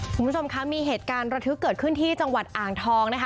คุณผู้ชมคะมีเหตุการณ์ระทึกเกิดขึ้นที่จังหวัดอ่างทองนะคะ